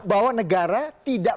bahwa negara tidak mengintervensi